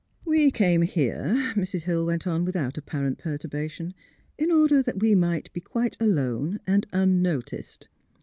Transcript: " We came here,'* Mrs. Hill went on, without apparent perturbation, '' in order that we might be quite alone and unnoticed.